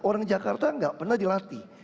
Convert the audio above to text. orang jakarta nggak pernah dilatih